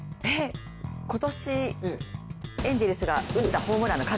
今年エンゼルスが打ったホームランの数？